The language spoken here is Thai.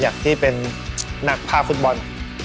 อยากที่เป็นนักภาคฟุตบอล